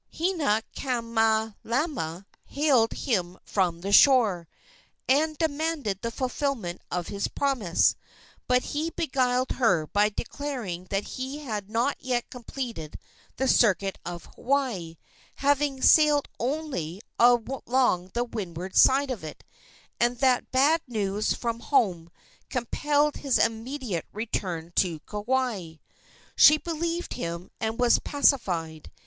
Hinaikamalama hailed him from the shore, and demanded the fulfilment of his promise; but he beguiled her by declaring that he had not yet completed the circuit of Hawaii, having sailed only along the windward side of it, and that bad news from home compelled his immediate return to Kauai. She believed him and was pacified.